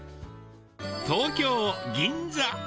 東京・銀座。